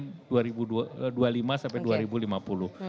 prioritasnya itu untuk menjaga rpjmn dua ribu dua puluh lima sampai dua ribu lima puluh